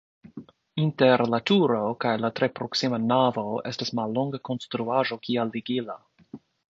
Inter la turo kaj la tre proksima navo estas mallonga konstruaĵo kiel ligilo.